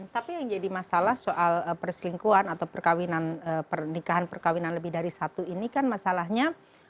tapi yang jadi masalah soal perselingkuhan atau pernikahan perkawinan lebih dari satu ini kan masalahnya